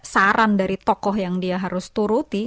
saran dari tokoh yang dia harus turuti